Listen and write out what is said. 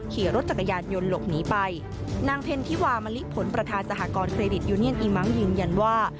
ขี่รถจักรยานยนต์หลบหนีไปนางเพนธิวามะลิผลประธานสหกรณเครดิตยูเนียนอีมังยืนยันว่า